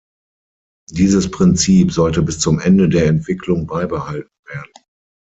Dieses Prinzip sollte bis zum Ende der Entwicklung beibehalten werden.